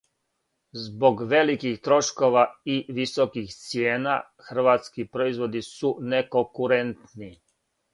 Због великих трошкова и високих цијена, хрватски производи су неконкурентни.